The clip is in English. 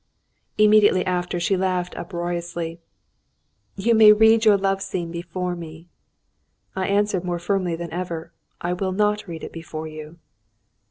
Immediately afterwards she laughed uproariously: "You may read your love scene before me." I answered more firmly than ever: "I will not read it before you."